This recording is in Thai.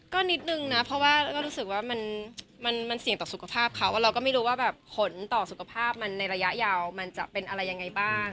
ก็นิดนึงนะเพราะรู้สึกว่ามันเสี่ยงต่อสุขภาพของเราก็ไม่รู้แบบ